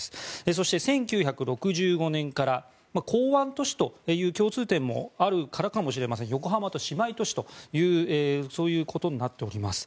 そして、１９６５年から港湾都市という共通点もあるからかもしれません横浜と姉妹都市とそういうことになっております。